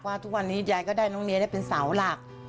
ทุกวันนี้ยายก็ได้น้องเนียได้เป็นเสาหลัก